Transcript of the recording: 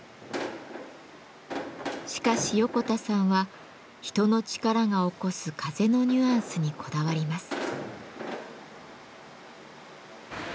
しかし横田さんは人の力が起こす風のニュアンスにこだわります。